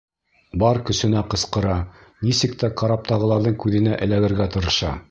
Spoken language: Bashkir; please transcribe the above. Бар көсөнә ҡысҡыра, нисек тә караптағыларҙың күҙенә эләгергә тырыша.